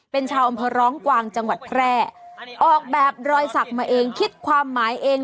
เป็นชาวอำเภอร้องกวางจังหวัดแพร่ออกแบบรอยสักมาเองคิดความหมายเอง